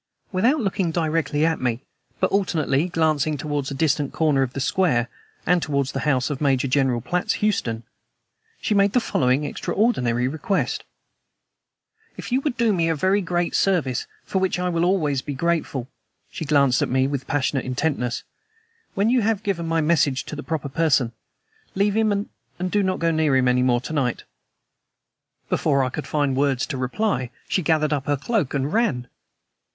Without looking directly at me, but alternately glancing towards a distant corner of the square and towards the house of Major General Platt Houston, she made the following extraordinary request: "If you would do me a very great service, for which I always would be grateful," she glanced at me with passionate intentness "when you have given my message to the proper person, leave him and do not go near him any more to night!" Before I could find words to reply she gathered up her cloak and ran.